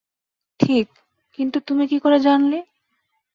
ঠিক, কিন্তু তুমি কী করে জানলে?